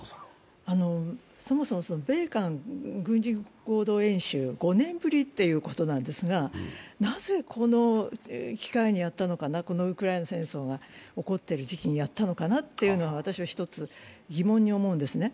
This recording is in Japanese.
そもそも米韓軍事合同演習５年ぶりということなんですが、なぜ、この機会にやったのかな、このウクライナ戦争が起こっている時期にやったのかなというのは、私は一つ疑問に思うんですね。